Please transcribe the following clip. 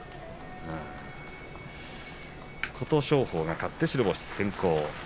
琴勝峰、勝って白星先行です。